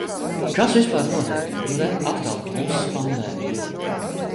Kas vispār notiek? Nu re, atkal plus pandēmijai.